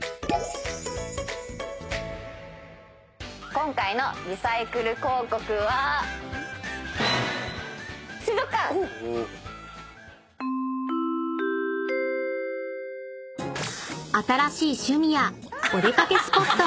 「今回のリサイクル広告は」「水族館」［新しい趣味やお出掛けスポット